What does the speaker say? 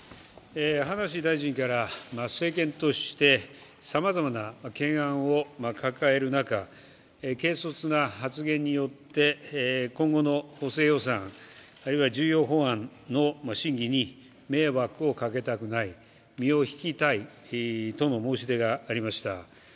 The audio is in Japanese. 葉梨大臣から政権として、さまざまな懸案を抱える中、軽率な発言によって今後の補正予算、あるいは重要法案の審議に迷惑をかけたくない身を引きたいとの申し出がありました。